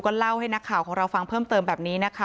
เล่าให้นักข่าวของเราฟังเพิ่มเติมแบบนี้นะคะ